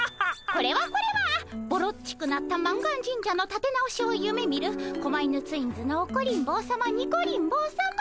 これはこれはぼろっちくなった満願神社のたて直しを夢みる狛犬ツインズのオコリン坊さまニコリン坊さま。